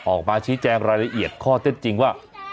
ออกมาชี้แจงรายละเอียดข้อเท็จจริงว่า